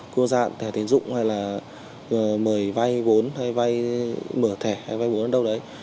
cô dạng thẻ tiền dụng hay là mời vai vốn hay vai mở thẻ hay vai vốn ở đâu đấy